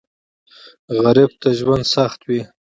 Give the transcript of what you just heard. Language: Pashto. غریب ته ژوند سخت وي